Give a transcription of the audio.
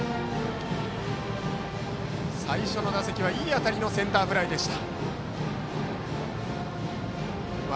最初の打席はいい当たりのフライでした。